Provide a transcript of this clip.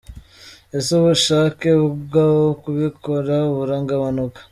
Ese ubushake bwo kubikora buragabanuka ?.